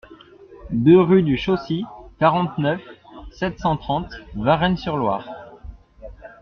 deux rue du Chaussy, quarante-neuf, sept cent trente, Varennes-sur-Loire